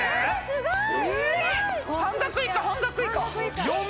すごーい！